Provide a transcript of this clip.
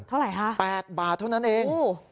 เท่าไหร่ฮะ๘บาทเท่านั้นเอง